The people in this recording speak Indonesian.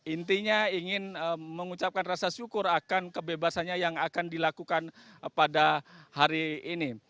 intinya ingin mengucapkan rasa syukur akan kebebasannya yang akan dilakukan pada hari ini